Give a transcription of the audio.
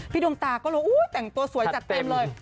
ดวงตาก็เลยแต่งตัวสวยจัดเต็มเลย